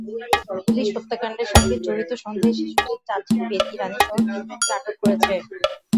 Police হত্যাকাণ্ডের সঙ্গে জড়িত সন্দেহে শিশুটির চাচি বেলি রানীসহ তিনজনকে আটক করেছে।